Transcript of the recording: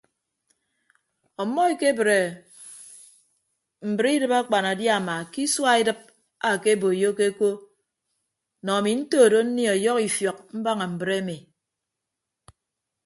Ọmmọ ekebre mbre idịb akpanadiama ke isua edịp ake boyokeko nọ ami ntodo nnie ọyọhọ ifiọk mbaña mbre emi.